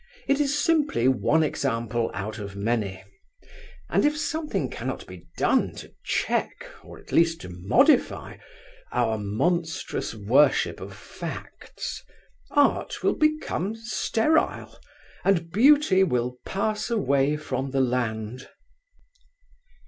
It is simply one example out of many; and if something cannot be done to check, or at least to modify, our monstrous worship of facts, Art will become sterile, and beauty will pass away from the land.